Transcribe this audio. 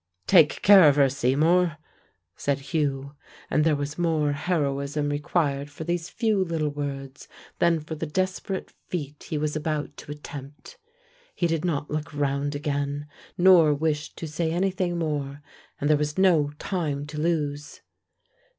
"Take care of her, Seymour," said Hugh, and there was more heroism required for these few little words, than for the desperate feat he was about to attempt. He did not look round again, nor wish to say anything more, and there was no time to lose.